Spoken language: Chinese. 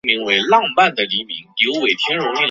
生产虫胶及其产品中常用变性乙醇作为溶剂。